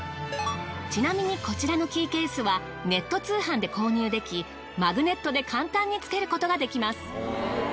ちなみにこちらのキーケースはネット通販で購入できマグネットで簡単につけることができます。